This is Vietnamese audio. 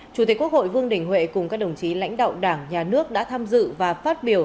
chủ tịch quốc hội vương đình huệ cùng các đồng chí lãnh đạo đảng nhà nước đã tham dự và phát biểu